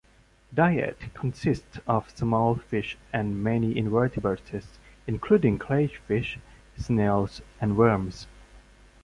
Diet consists of small fish and many invertebrates, including crayfish, snails, and worms.